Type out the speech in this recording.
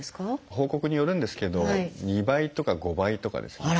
報告によるんですけど２倍とか５倍とかですね